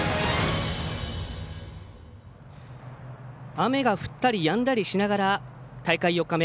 雨が降ったりやんだりしながら大会４日目